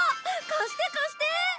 貸して貸して！